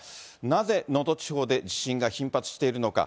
なぜ、能登地方で地震が頻発しているのか。